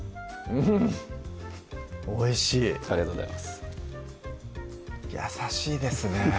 おいしいありがとうございます優しいですね